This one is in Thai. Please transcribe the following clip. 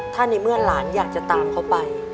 ถ้าในเมื่อหลานอยากจะตามเขาไป